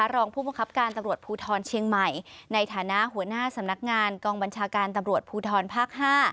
รองผู้บังคับการตำรวจภูทรเชียงใหม่ในฐานะหัวหน้าสำนักงานกองบัญชาการตำรวจภูทรภาค๕